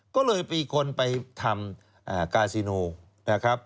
ก็เลยมีคนไปทำกาซิโนนะครับ